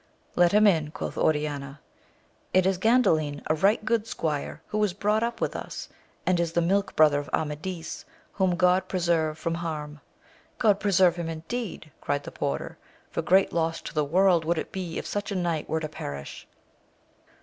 Let him in, quoth Oriana ; it is Gandalin, a right good squire, who was brought up with us, and is the milk brother of Amadis, whom God preserve from harm ! God preserve him, indeed 1 cried the porter, for great loss to the world would it be if such a knight were to perish.